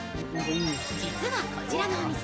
実はこちらのお店、